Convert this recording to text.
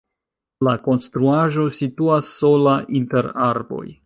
La konstruaĵo situas sola inter arboj.